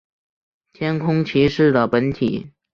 天空骑士的本体。